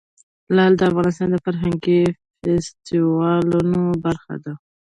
لعل د افغانستان د فرهنګي فستیوالونو برخه ده.